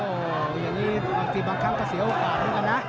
โอ้โหอย่างนี้บางทีบางครั้งก็เสียโอกาสเหมือนกันนะ